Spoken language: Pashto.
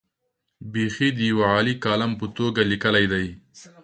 بېخي د یوه عالي کالم په توګه لیکلي دي.